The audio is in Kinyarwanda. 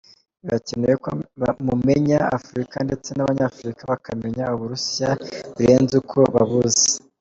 Birakenewe ko mumenya Afurika ndetse n’Abanyafurika bakamenya u Burusiya birenze uko babuzi.